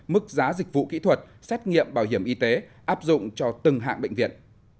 mức giá dịch vụ kỹ thuật xét nghiệm bảo hiểm y tế áp dụng cho từng hạng bệnh viện